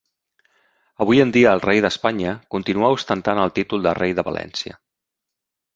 Avui en dia el Rei d'Espanya continua ostentant el títol de Rei de València.